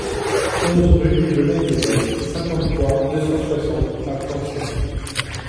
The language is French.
onze rue du Domaine des Mottes, cinquante-trois, deux cent soixante à Forcé